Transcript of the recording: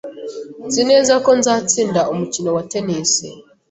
Nzi neza ko nzatsinda umukino wa tennis.